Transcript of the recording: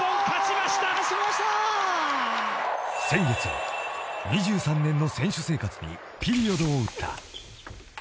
［先月２３年の選手生活にピリオドを打った］